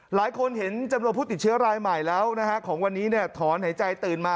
หลายคนเห็นจำนวนผู้ติดเชื้อรายใหม่แล้วนะฮะของวันนี้ถอนหายใจตื่นมา